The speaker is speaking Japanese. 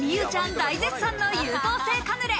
大絶賛の優等生カヌレ。